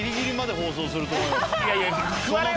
放送すると思います。